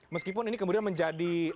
meskipun ini kemudian menjadi